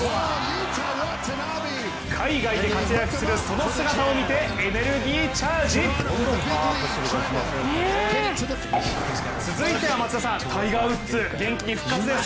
海外で活躍するその姿を見てエネルギーチャージ！続いて、タイガー・ウッズ元気に復活です。